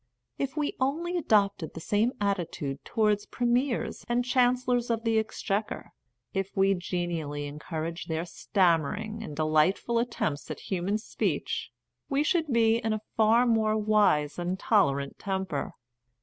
If we only adopted the same attitude towards Premiers and Chancellors of the Exchequer, if we genially encouraged their stammering and delightful attempts at human speech, we should be in a far more wise and tolerant temper.